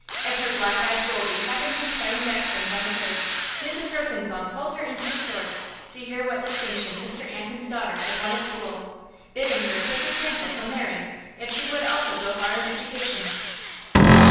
If her black eyed Goldie happened to be playing jackstones on the curb, Mrs. Rosenblum pulled her into the store, to hear what distinction Mr. Antin's daughter had won at school, bidding her take example from Mary, if she would also go far in education.